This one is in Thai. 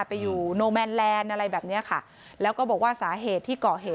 ไปอยู่โนแมนแลนด์อะไรแบบเนี้ยค่ะแล้วก็บอกว่าสาเหตุที่ก่อเหตุ